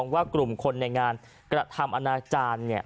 ว่ากลุ่มคนในงานกระทำอนาจารย์